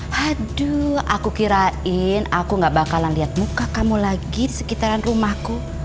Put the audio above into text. waduh aku kirain aku gak bakalan lihat muka kamu lagi di sekitaran rumahku